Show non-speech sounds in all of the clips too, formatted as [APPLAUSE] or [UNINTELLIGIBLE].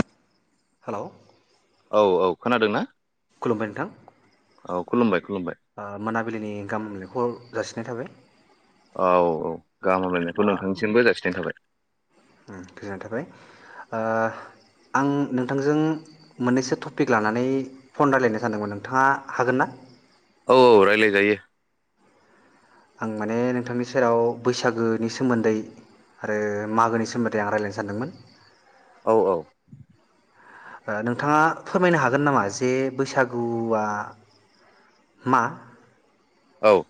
[INAUDIBLE] Hello औ औ खोनादों ना? खुलुमबाय नोंथां औ खुलुमबाय खुलुमबाय ओ मोनाबिलिनि गाहाम हामलायनायखौ जासिनाय थाबाय औ औ गाहामलायनायाथ' नोंथांनिसिमबो जासिनाय थाबाय ओ गोजोननाय थाबाय ओ आं नोंथांजों मोननैसो टपिक लानानै फन रायज्लायनो सानदोंमोन नोंथाङा हागोन ना? औ औ रायलायजायो। आं माने नोंथांनि सेराव बैसागोनि सोमोन्दै आरो मागोनि सोमोन्दै आं रायजलायनो सानदोंमोन औ औ ओ नोंथाङा फोरमायनो हागोन नामा जे बैसागुआ मा? औ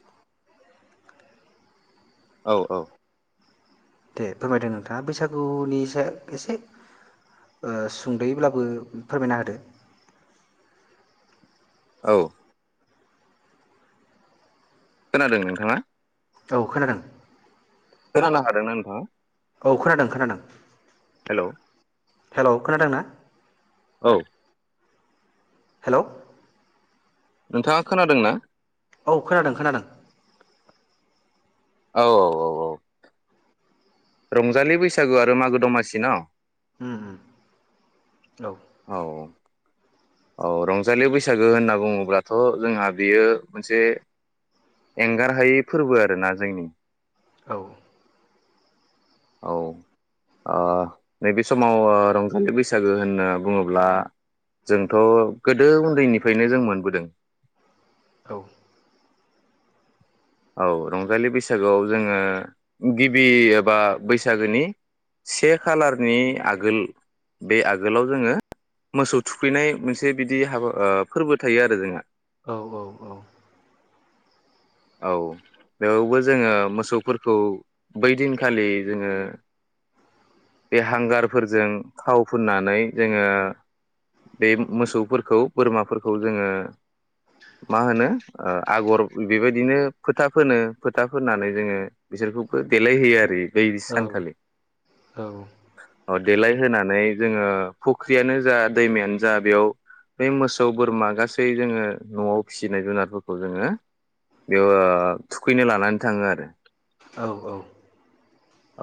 औ औ दे फोरमायदों नोंथाङा बैसागुनि सायाव एसे सुंद'ब्लाबो फोरमायना होदो। औ खोनादों नोंथाङा? औ खोनादों। खोनानो हादोंना नोंथाङा? औ खोनादों खोनादों। हेलौ हेलौ खोनादों ना? औ हेलौ नोंथाङा खोनादों ना? औ खोनादों खोनादों। औ औ औ औ रंजालि बैसागु आरो मागो दमासि न। उम उम औ। औ औ औ रंजालि बैसागो होनना बुङोब्लाथ' जोंहा बेयो मोनसे एंगार हायै फोरबो आरोना जोंनि। औ। औ ओ नैबे समाव ओ रंजालि बैसागो होनना बुङोब्ला जोंथ' गोदो उन्दैनिफ्रायनो जों मोनबोदों। औ। औ रंजालि बैसागोआव जोङो गिबि एबा बैसागोनि से खालारनि आगोल बे आगोलाव जोङो मोसौ थुखैनाय मोनसे बिदि हाबा ओ फोरबो थायो आरो जोंहा। औ औ औ। औ बेयावबो जोङो मोसौफोरखौ बै दिनखालि जोङो बे हांगारफोरजों थाव फुननानै जोङो बे मोसौफोरखौ बोरमाफोरखौ जोङो मा होनो आगर बेबायदिनो फोथा फोनो फोथा फोननानै जोङो बिसोरखौबो देलायहोयो आरो। बैबि औ सानखालि। औ अ देलाय होनानै जोङो फुख्रियानो जा दैमायानो जा बेयाव बै मोसौ बोरमा गासै जोङो न'आव फिसिनाय जुनारफोरखौ जोङो। बेयाव ओ थुखैनो लानानै थाङो आरो। औ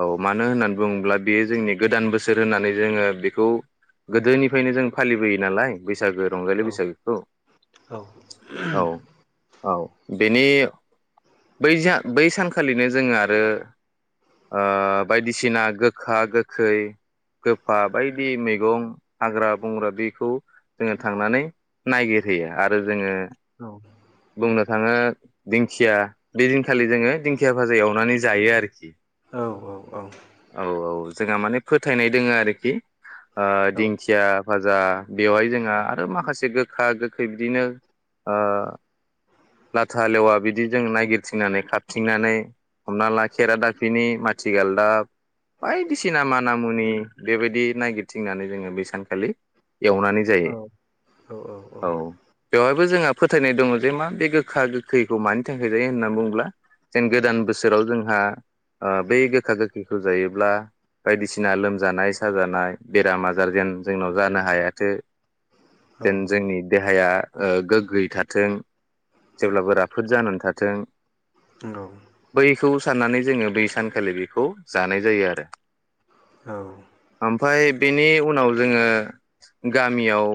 औ मानो होननानै बुङोब्ला बेयो जोंनि गोदान बोसोर होननानै जोङो बेखौ गोदोनिफ्रायनो जों फालिबोयो नालाय बैसागो रंजालि बिसागिखौ। औ औ बेनि बैजा बै सानखालिनो जोङो आरो ओ बायदिसिना गोखा गोखै गोफा बायदि मैगं हाग्रा बंग्रा बेखौ जोङो थांनानै नायगिरहैयो आरो जोङो बुंनो थाङो दिंखिया बेदिनखालि जोङो दिंखिया भाजा एवनानै जायो आरोखि औ औ औ औ औ जोंहा माने फोथायनाय दोङो आरोखि ओ दिंखिया भाजा बेवहाय जोंहा आरो माखासे गोखा गोखै बिदिनो ओ लाथा लेवा बिदि जों नायगिरथिंनानै खाबथिंनानै हमनाला खेरा दाफिनि माथि गालदाब बायदिसिना माना मुनि बेबायदि नायगिरथिंनानै जोङो बै सानखालि एवनानै जायो । औ बेवहायबो जोंहा फोथायनाय दङ बे मा बे गोखा गोखैखौ मानि थाखाय जायो होननानै बुङोब्ला जेन गोदान बोसोराव जोंहा ओ बै गोखा गोखैखौ जायोब्ला बायदिसिना लोमजानाय साजानाय बेराम आजार जेन जोंनाव जानो हायाथो जेन जोंनि दे हाया ओ गोग्गोयै थाथों । जेब्लाबो राफोद जानानै थाथों । नंगौ बेखौ साननानै जोङो बै सानखालि बेखौ जानाय जायो आरो । औ आमफाय बेनि उनाव जोङो गामियाव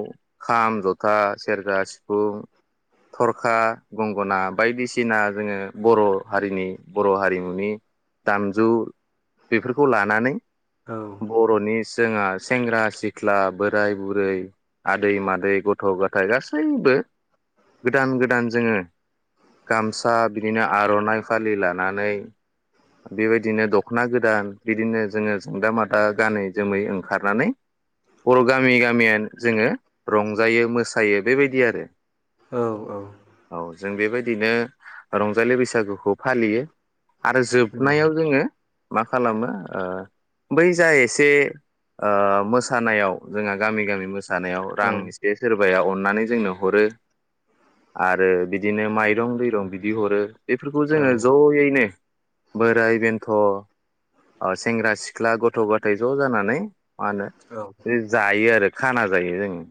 खाम, जथा, सेरजा, सिफुं थरखा, गंगना बायदिसिना जोङो बर' हारिनि बर' हारिमुनि दामजु बेफोरखौ लानानै बर'नि जोंहा सेंग्रा सिख्ला बोराय बुरै आदै मादै गथ' गथाय गासैबो गोदान गोदान जोङो गामसा बिदिनो आरनाइ फालि लानानै, बेबायदिनो दख'ना गोदान बिदिनो जोङो जोंदा मादा गानै जोमै ओंखारनानै बर' गामि गामियानो जोङो रंजायो मोसायो बेबायदि आरो औ औ औ जों बेबायदिनो रंजालि बैसागुखौ फालियो । आरो नंगौ जोबनायाव जोङो मा खालामो ओ बै जा एसे ओ मोसानायाव जोंहा गामि गामि मोसा जानायाव रां औ औ एसे सोर बाया अननानै जोंनो हरो । आरो बिदिनो माइरं दैरं बिदि हरो बेफोरखौ जोङो जयैनो बोराय बेन्थ अ सेंग्रा सिख्ला गथ' गथाय ज' जानानै मा होनो बे जायो आरो खाना जायो जोङो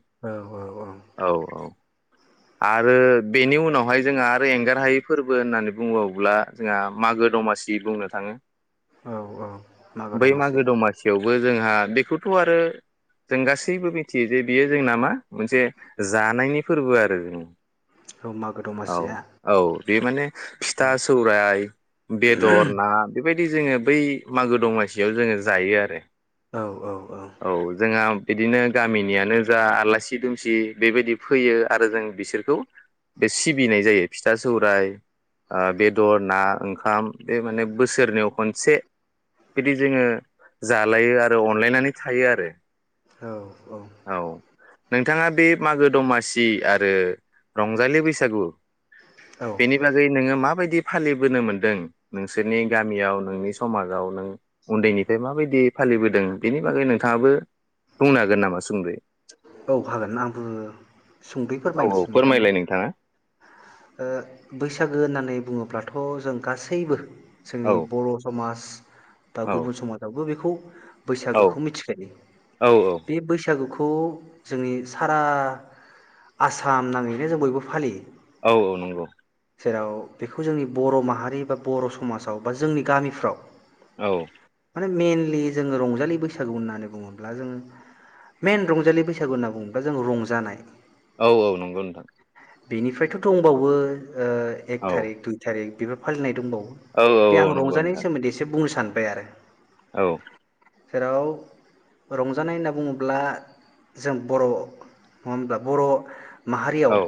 औ औ आरो बेनि उनावहाय जोंहा आरो एंगार हायै फोर्बो होननानै बुङोब्ला जोंहा मागो दमासि बुंनो थाङो । औ औ मागो दमासि। बो जोंहा बेखौथ आरो जों गासैबो मिथियो जे बियो जोंना मा मोनसे जानायनि फोरबो आर औ मागो [UNINTELLIGIBLE] औ दमासिया औ बे माने औ फिथा, सौराय, बेदर, ना बेबाय दि जोङो बै मागो दमासियाव जोङो जायो आरो। औ औ औ बिदिनो गामिनियानो जा आलासि दुमसि बेबायदि फैयो । आरो जों बिसोरखौ बे सिबिनाय जायो फिथा सौराइ ओ बेदर ना ओंखाम बे माने बोसोरनैयाव खनसे बिदि जोङो जालायो आरो अनलायनानै थायो आरो । औ औ नोंथाङा बे मागो दमासि [UNINTELLIGIBLE] आरो रंजालि बैसागु औ बेनि बागै नोङो माबायदि फालिबोनो मोन्दों नोंसोरनि गामियाव नोंनि समाजाव नों उन्दैनिफ्राय माबायदि फालिबोदों बेनि बागै नोंथाङाबो बुंनो हागोन नामा सुंद'यै? औ हागोन आंबो सुंद'यै औ औ फोरमायनोसै नोंथांनो फोरमायलाय नोंथाङा ओ बैसागु होननानै बुङोब्ला थ' जों गासैबो जोंनि औ बर' समाज दा औ गुबुन समाजावबो बेखौ बैसागुखौ मिथिखायो औ बे बैसागुखौ खौ जोंनि सारा आसाम नाङैनो जों बयबो फालियो। औ औ नंगौ। जेराव बेखौ जोंनि बर' माहारि बा बर' समाजाव बा जोंनि गामिफ्राव औ मेनलि जोङो रंजालि बैसागु होननानै बुङोब्ला जोङो मेन रंजालि बैसागु होनना बुङोब्ला जों रंजानाय औ औ नंगौ नोंथां। बेनिफ्रायथ' दंबावो ओ औ एक थारिख दुइ थारिख बेफोर फालिनाय दंबाव औ औ औ बे आं नंगौ रंजानायनि नोंथां सोमोन्दै एसे बुंनो सान बार आरो । औ। जेराव रंजानाय होनना बुङोब्ला जों बर' नङा होनब्ला बर' औ माहारियाव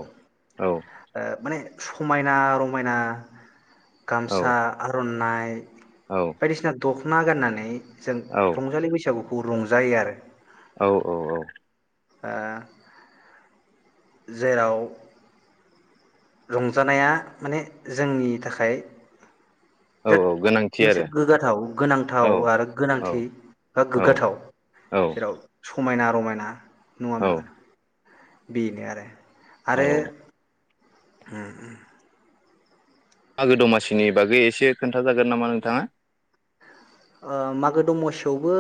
औ माने समायना रमायना औ गामसा आरन नाय औ बायदिसिना दख ना गाननानै जों रंजालि बैसागुखौ खौ रंजायो आरो औ औ औ। ओ जेराव रंजानाया माने जोंनि थाखाय औ बिराद गोनांथि मोनसे आरो गोग्गाथाव गोनांथाव आरो औ औ गोनांथि बा औ गोग्गाथाव औ जेराव स समायना रमायना औ नङाब्ला बेनो आरो आरो औ उन उम मागो दमासिनि बागै एसे खोन्थाजागोन नामा नोंथाङा? ओ मागो दमासियावबो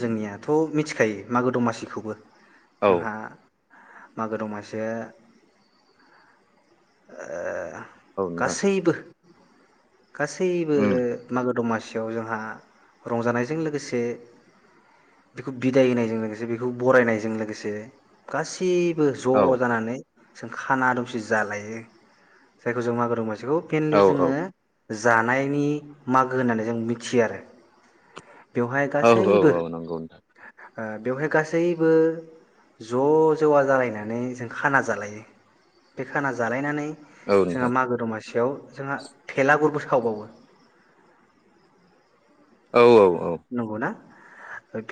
जोंनियाथ' मिथिखायो मागो दमासिखौबो औ जोंहा मागो दमासि ओ औ नोंथां गासैबो गासैबो उम मागो दमासि याव जोंहा रंजानायजों लोगोसे बेखौ बिदाय होनायजों लोगोसे बेखौ बरायनायजों लोगोसे गासै बो औ ज' जानानै जों खाना दंसे जालायो जायखौ जों मागो दंमासि बिखौ औ मेनलि औ जोङो जानायनि मागो होननानै जों मिथियो आरो बेवहाय औ औ गासैबो औ नंगौ नोंथां ओ बेवहाय गासैबो ज' जवा जालायनानै जों खाना जालायो बे खाना जालायनानै औ नोंथां जोंहा मागो दमासियाव जोंहा भेलागुरबो सावबावो औ औ नोंगौना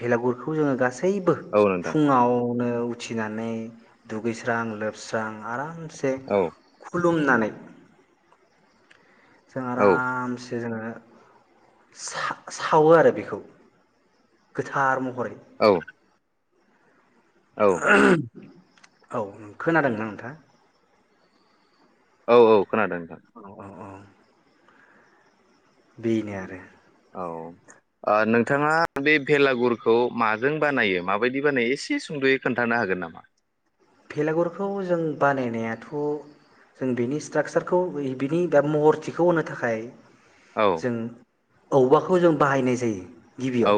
भेलागुरखौ जोङो गासै गासैबो औ नोंथां फुङाव नो उथिनानै दुगैस्रां लोबस्रां आराम से ख औ खुलुमनानै जों आरामसे जोङो [INAUDIBLE] सा सावो आरो बेखौ। गोथार म औ। औ [UNINTELLIGIBLE] औ खोनादोंमोन नोंथां? औ औ। खोनादों औ नोंथां औ औ बेनो आरो। औ नोंथाङा बे बेलागुरखौ माजों बानायो? माबायदि बानायो? एसे सुंद'यै खोन्थानो हागोन नामा? भलागुरखौ जों बानायनायाथ' जों बेनि स्ट्राकचारखौ बिनि बा महरथिखौ होनो थाखाय। औ जों। औवाखौ जों बाहायनाय जायो। औ गिबियाव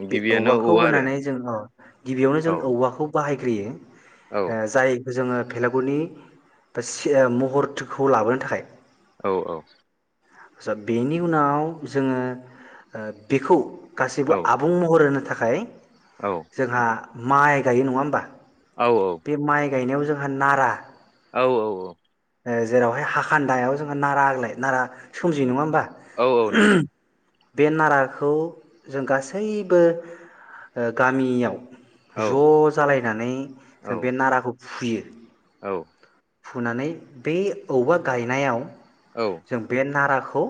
औ बे गिबियानो औवाखौ औवा होनानै जों औ गिबियावनो जों आरो औवाखौ बाहाय होयो औ जायखौ जोङो भेलागुरनि बा महरखौ लाबोनो थाखाय। औ औ। आटसा बेनि उनाव जोङो बेखौ औ गासैबो आबुं महर होनो थाखाय। खाय। औ जोंहा। माइ गायो नङा होमबा? औ औ। बे माइ गायनायाव जोंहा नारा औ औ औ। जेरावहाय हाखानदायाव जोङो नारा आग्लाय नारा सोमजियो नङा होमबा? औ औ नोंथां। बे नाराखौ जों गासैबो गामियाव औ ज' जालायनानै औ जों बे नाराखौ फुयो औ फुनानै बे औबा गायनायाव औ जों बे नाराख खौ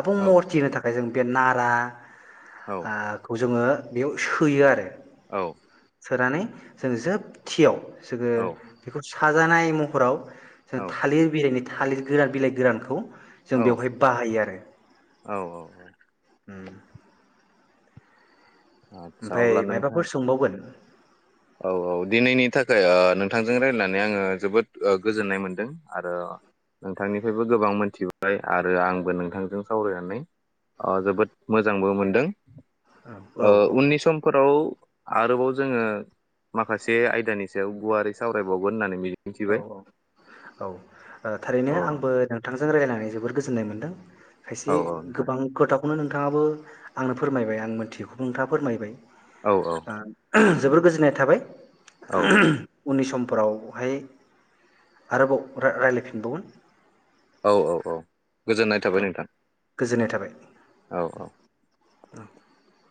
आबुं औ महरथिनो थां फाय जों बे नारा आ‌ खौ जोङो बेयाव सोयो आरो। औ सोनानै जों जोबथियाव जोङो बेखौ साजानाय म फोराव थालिर बिलाइनि थालिर गोरान बिलाइ गोरानखौ जों औ बेवहाय बाहायो आरो। उम। आदसा ओमफ्राय अब्ला नोंथां मायबाफोर सोंबावगोन? औ औ दिनैनि थाखाय ओ नोंथांजों रायजलायनानै आङो जोबोद ओ गोजोननाय मोनदों आरो नोंथांनिफ्रायबो गोबां मोनथिबाय आरो आंबो नोंथांजों सावरायनानै अ जोबोद मोजांबो मोनदों। औ ओ औ उननि समफोराव आरोबाव जोङो माखासे आयदानि सायाव गुवारै सावरायबावगोन होननानै मिजि औ औ औ ओ थारैनो अ आंबो नोंथांजों रायजायनानै जोबोद गोजो जोननाय मोन्दों। खायसे औ औ नोंथां गोबां गोथाव खौनो नोंथाङाबो आंनो फोरमायबाय आं मोनथियैखौबो नोंथाङा फोरमायबाय औ औ ओ जोबोर गोजोननाय थाबाय। औ [UNINTELLIGIBLE] उननि समफोरावहाय आरोबाव रा-रायलायफिनबावगोन । औ औ औ। गोजोननाय थाबाय नोंथां गोजोननाय थाबाय औ औ। [UNINTELLIGIBLE]